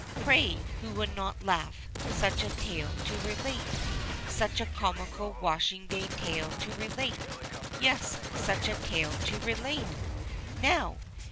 Pray who would not laugh such a tale to relate ? Such a comical washing day tale to relate. Yes, such a tale to relate ? Now